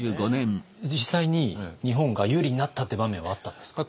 実際に日本が有利になったって場面はあったんですか？